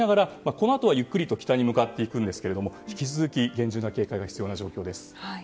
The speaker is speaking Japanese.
このあとはゆっくりと北に向かっていくんですが引き続き厳重な警戒が必要な状況です。